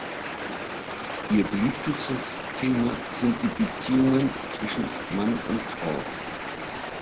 Ihr beliebtestes Thema sind die Beziehungen zwischen Mann und Frau.